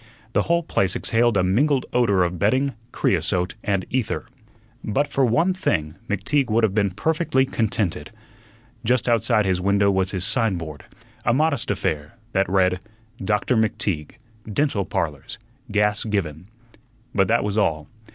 The whole place exhaled a mingled odor of bedding, creosote, and ether. But for one thing, McTeague would have been perfectly contented. Just outside his window was his signboard a modest affair that read: "Doctor McTeague. Dental Parlors. Gas Given"; but that was all.